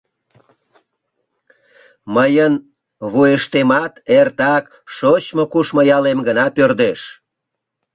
Мыйын вуйыштемат эртак шочмо-кушмо ялем гына пӧрдеш.